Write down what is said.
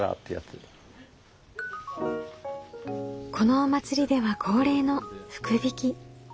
このお祭りでは恒例の福引き。